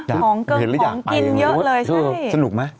ของเกิดของกินเยอะเลยอยากไป